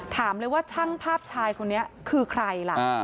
ถามเลยว่าช่างภาพชายคนนี้คือใครล่ะ